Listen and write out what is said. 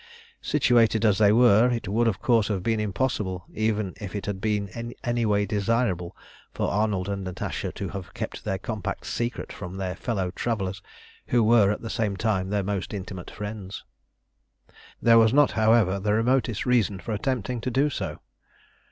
Situated as they were, it would of course have been impossible, even if it had been in any way desirable, for Arnold and Natasha to have kept their compact secret from their fellow travellers, who were at the same time their most intimate friends. There was not, however, the remotest reason for attempting to do so.